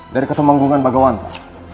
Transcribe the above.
dari ketumanggungan bagawanta